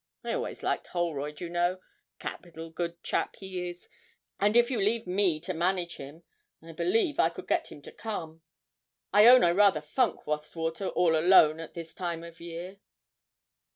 I always liked Holroyd, you know capital good chap he is, and if you leave me to manage him, I believe I could get him to come. I own I rather funk Wastwater all alone at this time of year.'